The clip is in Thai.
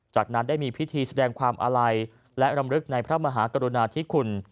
จากนั้นได้มีพิธีแสดงความอาลัยและรำลึกในพระมหากรุณาธิคุณ